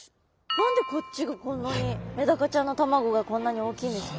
何でこっちがこんなにメダカちゃんの卵がこんなに大きいんですか？